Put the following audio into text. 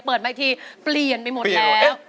เปิดใหม่ทีเปลี่ยนไปหมดแล้ว